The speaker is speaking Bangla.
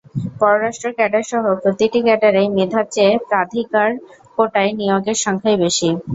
পররাষ্ট্র ক্যাডারসহ প্রতিটি ক্যাডারেই মেধার চেয়ে প্রাধিকার কোটায় নিয়োগের সংখ্যাই বেশি।